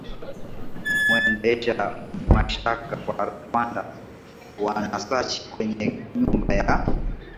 mwendesha mashtaka wa rwanda wanesearch kwenye nyumba ya